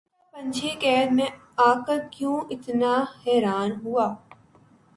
دل کا پنچھی قید میں آ کر کیوں اتنا حیران ہوا